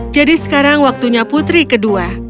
jadi sekarang waktunya putri kedua